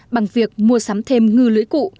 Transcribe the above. bằng việc mua sắm thêm ngư lưỡi cũ